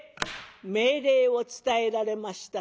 命令を伝えられました